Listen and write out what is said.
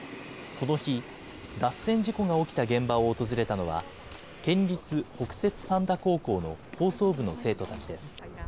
この日、脱線事故が起きた現場を訪れたのは、県立北摂三田高校の放送部の生徒たちです。